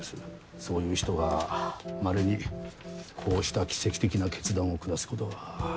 そういう人がまれにこうした奇跡的な決断を下すことが。